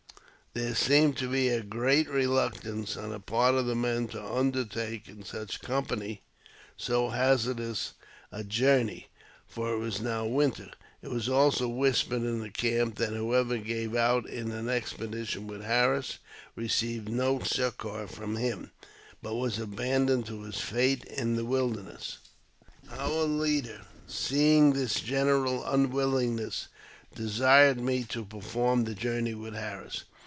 There seemed to be a great reluctance on the part of the men to undertake in such company so hazardous a journey (for it was now winter). It was also whispered in the camp that whoever gave out in an expedition with Harris received no succour from him, but was abandoned to his fate in the wilderness. Our leader, seeing this general unwillingness, desired me to perform the journey with Harris.